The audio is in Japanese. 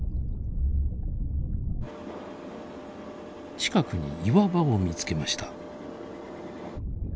近くに岩場を見つけました。